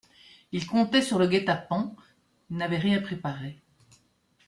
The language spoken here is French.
Ils comptaient sur le guet-apens, n'avaient rien préparé.